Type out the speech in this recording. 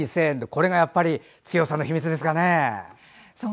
これがやっぱり強さの秘密ですかね。